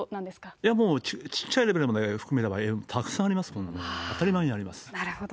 いや、もう、ちっちゃいレベルまで含めればたくさんあります、当たり前にありなるほど。